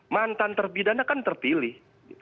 mantan terbidana kan terpilih